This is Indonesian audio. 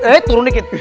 eh turun nekit